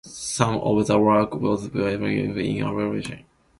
Some of the work of this "Bergen School" is on exhibit at Museum Kranenburgh.